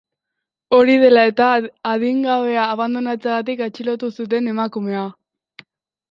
Hori dela eta, adingabea abandonatzeagatik atxilotu zuten emakumea.